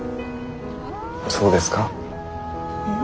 そうですか？